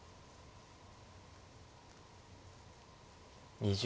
２０秒。